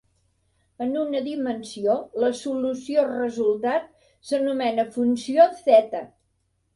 En una dimensió, la solució resultat s'anomena funció theta.